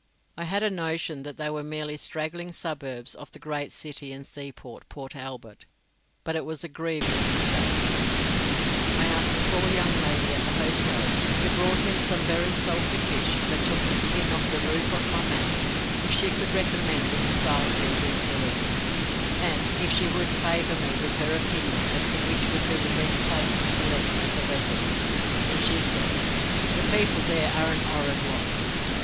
I had a notion that they were merely straggling suburbs of the great city and seaport, Port Albert. But it was a grievous mistake. I asked a tall young lady at the hotel, who brought in some very salt fish that took the skin off the roof of my mouth, if she could recommend the society of these villages, and if she would favour me with her opinion as to which would be the best place to select as a residence, and she said, "The people there are an 'orrid lot."